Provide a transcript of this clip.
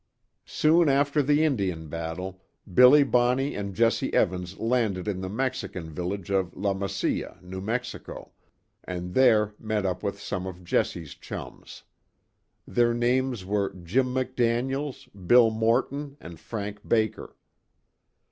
Soon after the Indian battle Billy Bonney and Jesse Evans landed in the Mexican village of La Mesilla, New Mexico, and there met up with some of Jesse's chums. Their names were Jim McDaniels, Bill Morton, and Frank Baker.